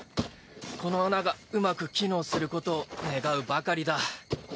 この穴がうまく機能することを願うばかりだ。